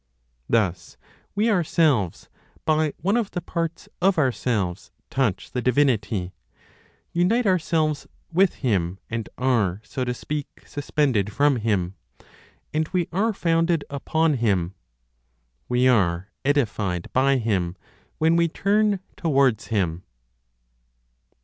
Thus we ourselves, by one of the parts of ourselves, touch the divinity, unite ourselves with Him and are, so to speak, suspended from Him; and we are founded upon Him (we are "edified" by Him) when we turn towards Him.